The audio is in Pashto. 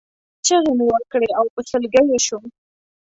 چغې مې وکړې او په سلګیو شوم.